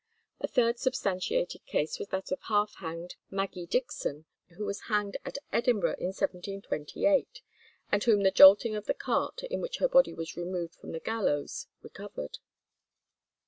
A third substantiated case was that of half hanged Maggie Dickson, who was hanged at Edinburgh in 1728, and whom the jolting of the cart in which her body was removed from the gallows recovered.